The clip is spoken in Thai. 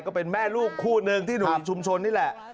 ก็เป็นแม่ลูกคู่หนึ่งที่อยู่ในชุมชนนี่แหละ